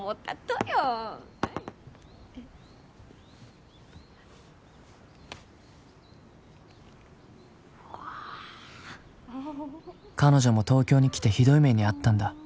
はいうわ彼女も東京に来てひどい目に遭ったんだ